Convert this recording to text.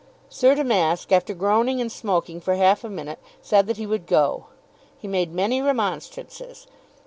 Sir Damask, after groaning and smoking for half a minute, said that he would go. He made many remonstrances.